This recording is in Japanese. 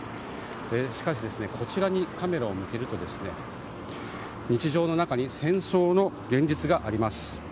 しかしこちらにカメラを向けると日常の中に戦争の現実があります。